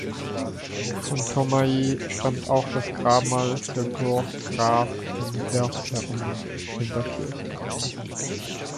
Von Thomae stammt auch das Grabmal für Georg Graf von Werthern in der Kirche.